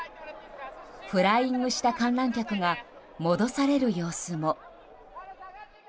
フライングした観覧客が戻される様子も。